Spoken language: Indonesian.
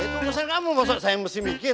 ya itu urusan kamu maksudnya saya yang mesti mikir